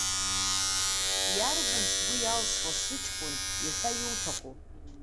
Иарбан сгәы иалсуа, сыҷкәын иҳәа иуҭаху.